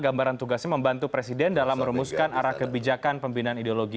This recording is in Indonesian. gambaran tugasnya membantu presiden dalam merumuskan arah kebijakan pembinaan ideologi